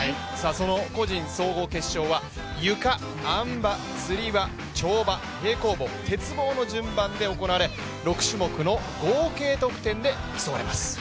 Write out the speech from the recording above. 個人総合決勝はゆか、あん馬、つり輪、跳馬、平行棒、鉄棒の順番で行われ、６種目の合計得点で競われます。